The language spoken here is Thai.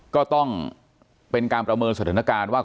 ก็ต้องเป็นการประเมินสถานการณ์ว่า